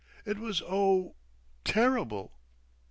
It was oh! terrible!